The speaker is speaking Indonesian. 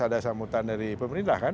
ada sambutan dari pemerintah kan